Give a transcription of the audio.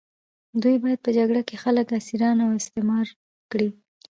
دوی باید په جګړه کې خلک اسیران او استثمار کړي.